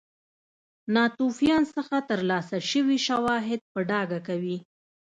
ناتوفیان څخه ترلاسه شوي شواهد په ډاګه کوي.